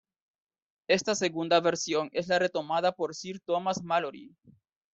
Esta segunda versión es la retomada por Sir Thomas Malory.